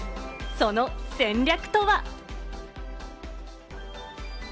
その戦略とは？